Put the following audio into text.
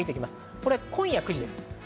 これは今夜９時です。